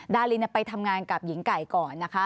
ดารินไปทำงานกับหญิงไก่ก่อนนะคะ